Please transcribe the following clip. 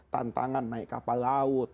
tantangan naik kapal laut